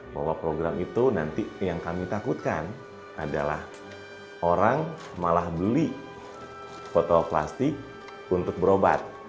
bahwa program itu nanti yang kami takutkan adalah orang malah beli foto plastik untuk berobat